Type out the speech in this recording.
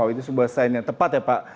itu sebuah sign yang tepat ya pak